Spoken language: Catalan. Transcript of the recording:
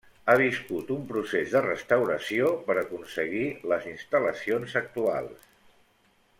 Ha viscut un procés de restauració per aconseguir les instal·lacions actuals.